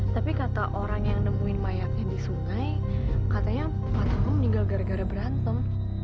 tapi kata orang yang nemuin mayatnya di sungai katanya pak tebu tinggal gara gara berantem